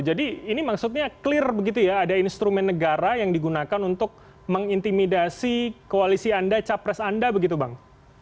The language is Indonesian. jadi ini maksudnya clear begitu ya ada instrumen negara yang digunakan untuk mengintimidasi koalisi anda capres anda begitu bang